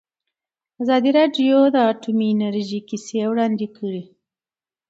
ازادي راډیو د اټومي انرژي کیسې وړاندې کړي.